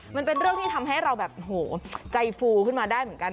มันเป็นเรื่องที่ทำให้เราแบบโหใจฟูขึ้นมาได้เหมือนกัน